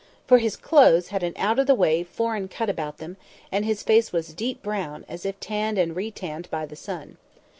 For his clothes had an out of the way foreign cut about them, and his face was deep brown, as if tanned and re tanned by the sun.